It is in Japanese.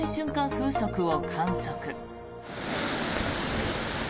風速を観測。